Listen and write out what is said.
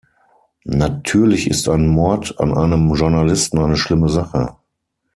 Natürlich ist ein Mord an einem Journalisten eine schlimme Sache.